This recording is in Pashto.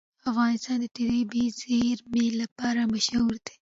افغانستان د طبیعي زیرمې لپاره مشهور دی.